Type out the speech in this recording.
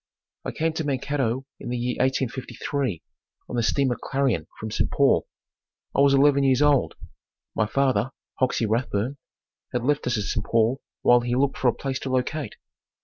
I came to Mankato in the year 1853 on the Steamer Clarion from St. Paul. I was eleven years old. My father, Hoxey Rathbun, had left us at St. Paul while he looked for a place to locate.